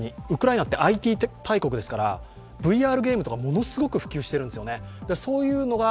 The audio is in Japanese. ウクライナってＩＴ大国ですからＶＲゲームとかものすごく普及しているんですよね。